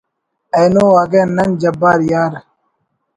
اینو اگہ نن جبار یار